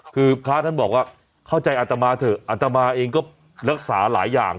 คือพระท่านบอกว่าเข้าใจอัตมาเถอะอัตมาเองก็รักษาหลายอย่าง